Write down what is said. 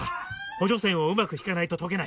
補助線をうまく引かないと解けない。